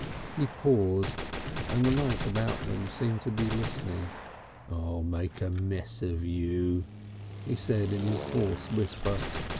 He paused, and the night about them seemed to be listening. "I'll make a mess of you," he said in his hoarse whisper.